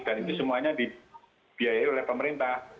dan itu semuanya dibiayai oleh pemerintah